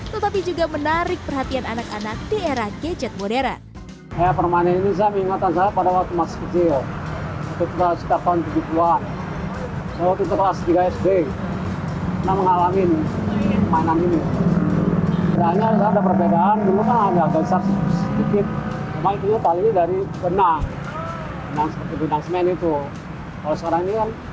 tetapi juga menarik perhatian anak anak di era gadget modern